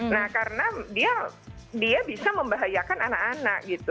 nah karena dia bisa membahayakan anak anak gitu